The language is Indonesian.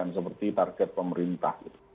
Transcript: seperti target pemerintah